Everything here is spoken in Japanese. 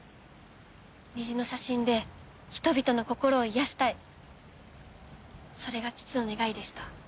虹の写真で人々の心を癒やしたいそれが父の願いでした。